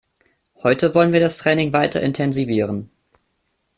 Heute wollen wir das Training weiter intensivieren.